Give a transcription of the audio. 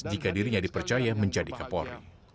jika dirinya dipercaya menjadikan polri